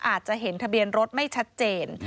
อาจจะเห็นทะเบียนรถไม่ชัดเจน